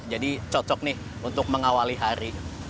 jadi cocok nih untuk mengawali hari